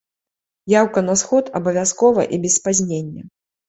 Яўка на сход абавязкова і без спазнення.